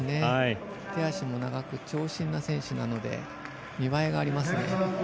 手足も長く長身の選手なので見栄えがありますよね。